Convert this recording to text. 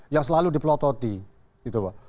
yang selalu di plototi gitu pak